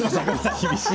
厳しい。